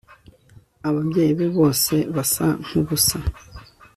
Ababyeyi be bose basa nkubusa